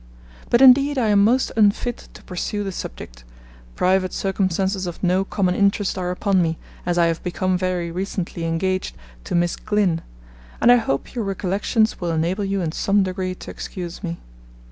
. But indeed I am most unfit to pursue the subject; private circumstances of no common interest are upon me, as I have become very recently engaged to Miss Glynne, and I hope your recollections will enable you in some degree to excuse me.